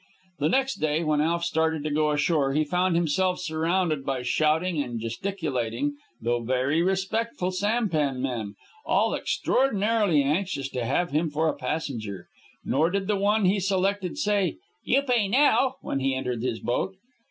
The next day, when Alf started to go ashore, he found himself surrounded by shouting and gesticulating, though very respectful, sampan men, all extraordinarily anxious to have him for a passenger. Nor did the one he selected say, "You pay now," when he entered his boat.